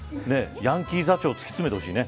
ヤンキー座長を突き詰めてほしいね。